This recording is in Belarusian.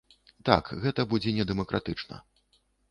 Так, гэта будзе недэмакратычна.